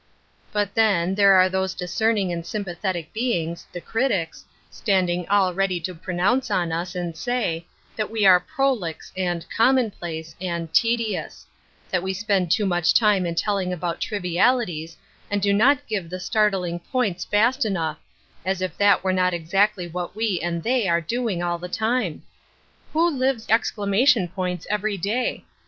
But, then, there are those discerning and sympathetic beings — the critics — standing all ready to pronounce on us, and say, that we are "prolix" and "commonplace" and " tedious ;" that we spend too much time in tell ing about trivialities, and do not give the start ling points fast enough, as if that were not exactly what we and they are doing all the time ! Who lives exclamation points every day